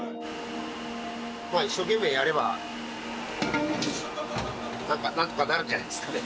まあ一生懸命やれば何とかなるんじゃないんすかね。